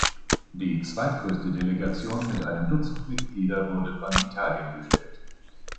Die zweitgrößte Delegation mit einem Dutzend Mitglieder wurde von Italien gestellt.